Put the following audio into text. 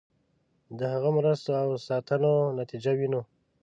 د هغه مرستو او ساتنو نتیجه وینو.